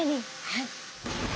はい。